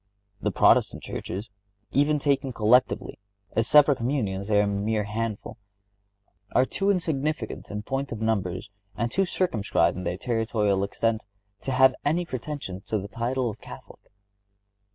The Protestant churches, even taken collectively, (as separate communions they are a mere handful) are too insignificant in point of numbers, and too circumscribed in their territorial extent, to have any pretensions to the title of Catholic.